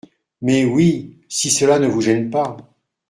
Mais, oui, si cela ne vous gêne pas.